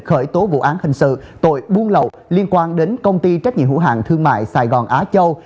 khởi tố vụ án hình sự tội buôn lậu liên quan đến công ty trách nhiệm hữu hạng thương mại sài gòn á châu